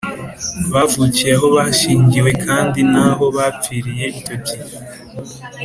bavukiye aho bashyingiwe kandi naho bapfiriye icyo gihe